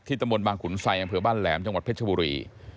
ที่ตะมนต์บางขุนไซอย่างเผื่อบ้านแหลมจังหวัดเพชรบุรี